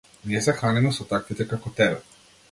Ние се храниме со таквите како тебе.